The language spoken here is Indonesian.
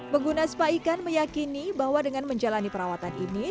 pengguna spa ikan meyakini bahwa dengan menjalani perawatan ini